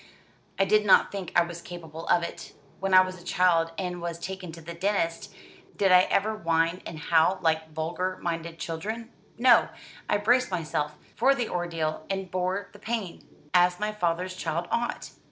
"I did not think I was capable of it. When I was a child, and was taken to the dentist, did I ever whine and howl like vulgar minded children? No; I braced myself for the ordeal, and bore the pain, as my father's child ought."